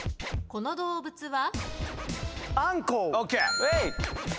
この動物は？